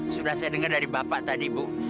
sudah saya dengar dari bapak tadi bu